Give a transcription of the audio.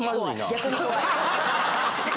逆に怖い。